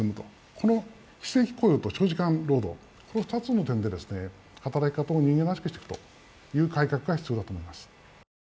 この非正規雇用と長時間労働、この２つの点で働き方を人間らしくしていく改革が必要だと思います。